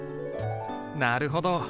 なるほど。